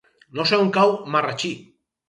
No sé on cau Marratxí.